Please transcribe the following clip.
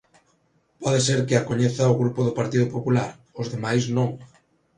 Pode ser que a coñeza o Grupo do Partido Popular, os demais non.